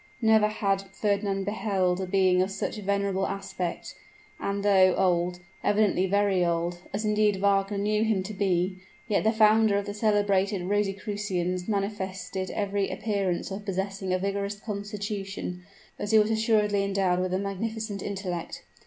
Never had Fernand beheld a being of such venerable aspect; and, though old evidently very old, as indeed Wagner knew him to be yet the founder of the celebrated Rosicrucians manifested every appearance of possessing a vigorous constitution, as he was assuredly endowed with a magnificent intellect.